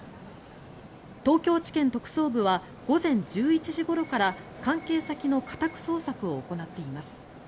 東京地検特捜部は午前１１時ごろから関係先の家宅捜索を行っています。